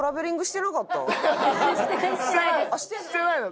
してないの。